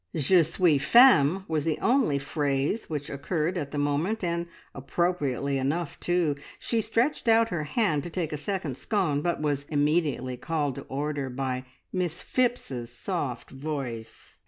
"Je suis faim" was the only phrase which occurred at the moment, and appropriately enough too! She stretched out her hand to take a second scone, but was immediately called to order by Miss Phipps's soft voice.